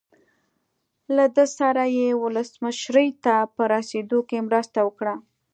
له ده سره یې ولسمشرۍ ته په رسېدو کې مرسته وکړه.